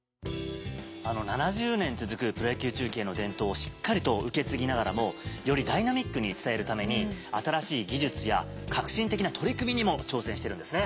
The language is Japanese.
７０年続くプロ野球中継の伝統をしっかりと受け継ぎながらもよりダイナミックに伝えるために新しい技術や革新的な取り組みにも挑戦してるんですね。